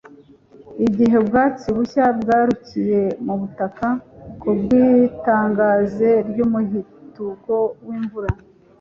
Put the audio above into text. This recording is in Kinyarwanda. igihe ubwatsi bushya bwarukiye mu butaka ku bw'itangaze ry'umuhituko w'imvura